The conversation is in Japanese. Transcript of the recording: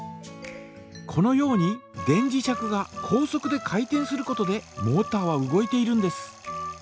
このように電磁石が高速で回転することでモータは動いているんです。